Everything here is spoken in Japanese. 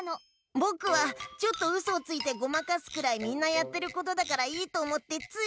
ぼくはちょっとウソをついてごまかすくらいみんなやってることだからいいと思ってつい。